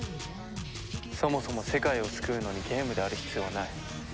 そもそも世界を救うのにゲームである必要はない。